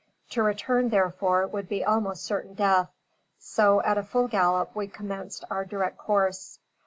To return, therefore, would be almost certain death; so, at a full gallop we commenced our direct course.